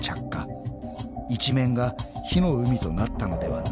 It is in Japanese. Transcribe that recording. ［一面が火の海となったのではないか］